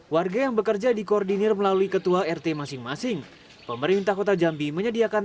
warga yang bekerja di koordinir melalui ketua rt masing masing pemerintah kota jambi menyediakan